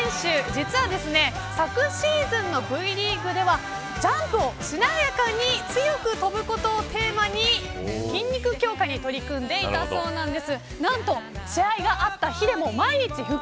実は昨シーズンのＶリーグではジャンプを、しなやかに強く跳ぶことをテーマに筋肉強化に取り組んでいたそうなんです。